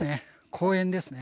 公園ですね。